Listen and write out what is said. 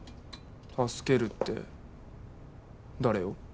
助けるって誰を？